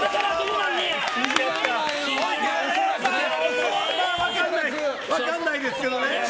それは分からないですけどね。